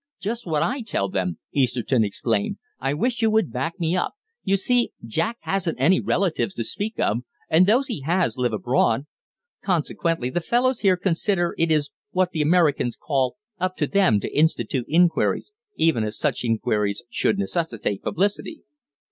"Just what I tell them," Easterton exclaimed; "I wish you would back me up. You see, Jack hasn't any relatives to speak of, and those he has live abroad. Consequently the fellows here consider it is what the Americans call 'up to them' to institute inquiries, even if such inquiries should necessitate publicity."